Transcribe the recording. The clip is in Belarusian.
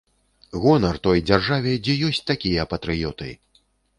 Гонар той дзяржаве, дзе ёсць такія патрыёты.